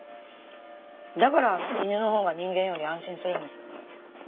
だから犬のほうが人間より安心するんです。